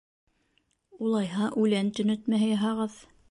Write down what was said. — Улайһа, үлән төнәтмәһе яһағыҙ!